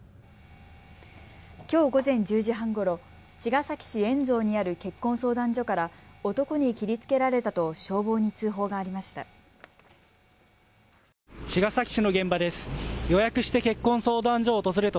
きょう午前１０時半ごろ、茅ヶ崎市円蔵にある結婚相談所から男に切りつけられたと消防に通報がありました。